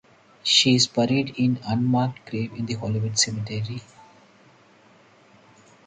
She is buried in unmarked grave in the Hollywood Cemetery.